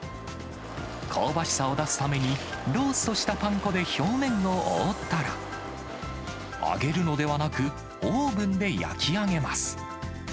香ばしさを出すために、ローストしたパン粉で表面を覆ったら、揚げるのではなく、オーブンで焼き上げます。